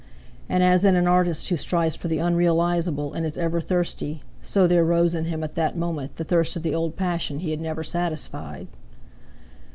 And as in an artist who strives for the unrealisable and is ever thirsty, so there rose in him at that moment the thirst of the old passion he had never satisfied.